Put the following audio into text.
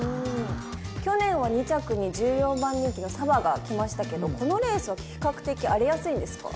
去年は２着に１４番人気のサヴァがきましたけどこのレースは比較的荒れやすいんですか？